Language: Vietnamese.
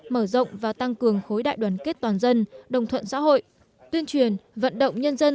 mở rộng và tăng cường khối đại đoàn kết toàn dân đồng thuận xã hội tuyên truyền vận động nhân dân